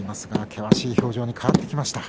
険しい表情に変わってきました